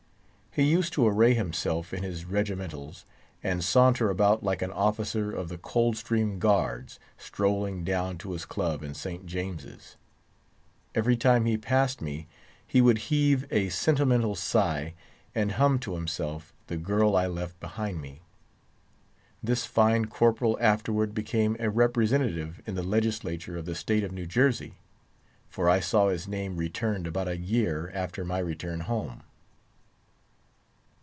He used to array himself in his regimentals, and saunter about like an officer of the Coldstream Guards, strolling down to his club in St. James's. Every time he passed me, he would heave a sentimental sigh, and hum to himself "The girl I left behind me." This fine corporal afterward became a representative in the Legislature of the State of New Jersey; for I saw his name returned about a year after my return home.